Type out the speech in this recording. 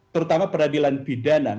terutama peradilan bidana